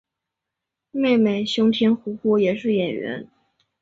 妹妹熊田胡胡也是演员。